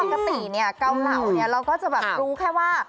ปกติเนี่ยเกาเหลาเนี่ยเราก็จะแบบรู้แค่ว่า